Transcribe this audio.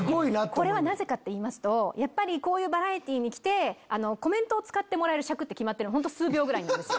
これはなぜかっていいますとこういうバラエティーに来てコメントを使ってもらえる尺って決まってる数秒ぐらいなんです。